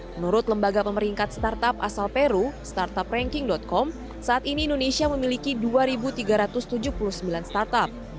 menurut lembaga pemeringkat startup asal peru startupranking com saat ini indonesia memiliki dua tiga ratus tujuh puluh sembilan startup